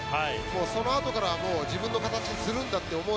そのあとから自分の形にするんだという思い